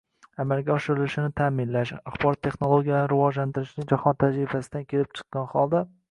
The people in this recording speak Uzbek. amalga oshirilishini ta'minlash, axborot texnologiyalarini rivojlantirishning jahon darajasidan kelib chiqqan holda